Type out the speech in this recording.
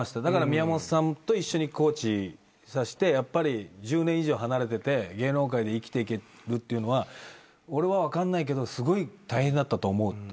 だから宮本さんと一緒にコーチさせて「やっぱり１０年以上離れてて芸能界で生きていけるというのは俺は分かんないけどすごい大変だったと思う。